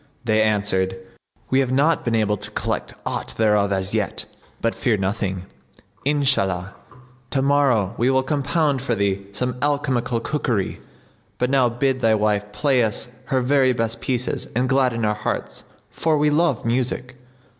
They answered, "We have not been able to collect aught thereof as yet; but fear nothing: Inshallah, tomorrow we will compound for thee some alchemical cookery. But now bid thy wife play us her very best pieces and gladden our hearts for we love music."